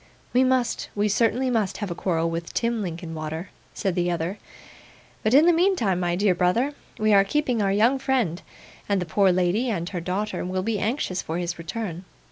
'We must. We certainly must have a quarrel with Tim Linkinwater,' said the other. 'But in the meantime, my dear brother, we are keeping our young friend; and the poor lady and her daughter will be anxious for his return.